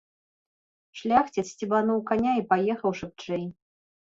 Шляхціц сцебануў каня і паехаў шыбчэй.